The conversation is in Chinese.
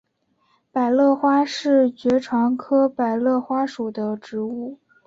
百簕花是爵床科百簕花属的植物。